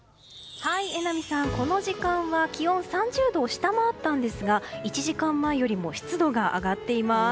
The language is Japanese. この時間は気温３０度を下回ったんですが１時間前よりも湿度が上がっています。